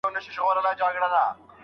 ایا د ډنډ ترڅنګ د ږدن او مڼې ځای ړنګیږي؟